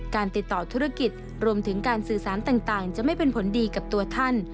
การติดต่อธุรกิจรวมถึงการสื่อสารต่างจะไม่เป็นผลดีกับตัวท่าน